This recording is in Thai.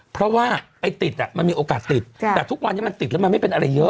เพราะว่าไอ้ติดมันมีโอกาสติดแต่ทุกวันนี้มันติดแล้วมันไม่เป็นอะไรเยอะ